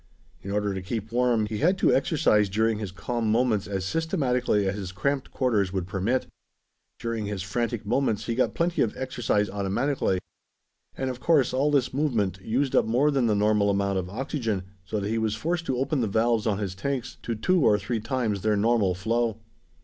In order to keep warm, he had to exercise during his calm moments as systematically as his cramped quarters would permit. During his frantic moments he got plenty of exercise automatically. And of course all this movement used up more than the normal amount of oxygen, so that he was forced to open the valves on his tanks to two or three times their normal flow.